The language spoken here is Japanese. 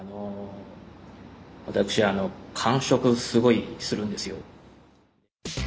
私間食すごいするんですよ。